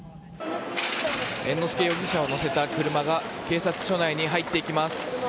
猿之助容疑者を乗せた車が警察署内に入っていきます。